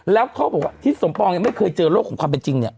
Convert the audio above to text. แล้วเขาบอกว่าทิศสมปองยังไม่เคยเจอโลกของความเป็นจริงเนี่ย